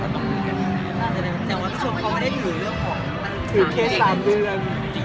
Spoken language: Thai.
ก่อนตอนนี้เรารู้ครั้ง